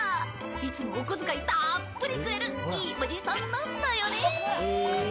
いつもお小遣いたっぷりくれるいいおじさんなんだよね。